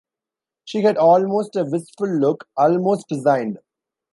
She had almost a wistful look, almost resigned.